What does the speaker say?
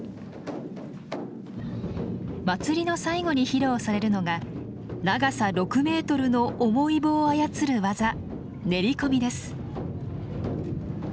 祭りの最後に披露されるのが長さ６ｍの重い棒を操る技練り込みです。